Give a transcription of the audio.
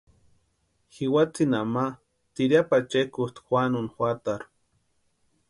Jiwatsïnha ma tiriapu achekusti Juanuni juatarhu.